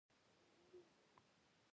طالبان یوازې د کندهار نه دي.